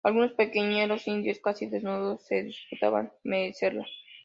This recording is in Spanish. algunos pequeñuelos indios, casi desnudos, se disputaban mecerla.